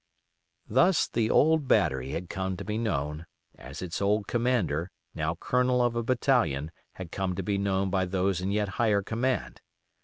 Thus the old battery had come to be known, as its old commander, now colonel of a battalion, had come to be known by those in yet higher command.